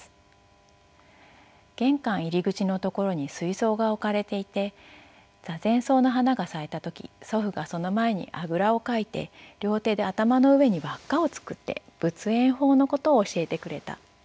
「玄関入り口のところに水槽が置かれていてザゼンソウの花が咲いた時祖父がその前にあぐらをかいて両手で頭の上に輪っかを作って仏炎苞のことを教えてくれた。